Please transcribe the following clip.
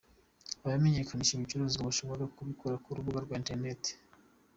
Abamenyekanisha ibicuruzwa bashobora kubikora ku rubuga rwa internet www.